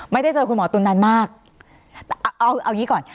ไม่ได้เจอคุณหมอตุ๋นนานมากแต่เอาเอางี้ก่อน